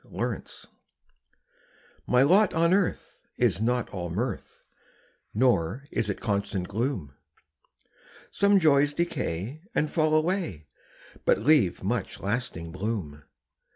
MY LOT My lot on earth is not all mirth, Nor is it constant gloom; Some joys decay and fall away, But leave much lasting bloom.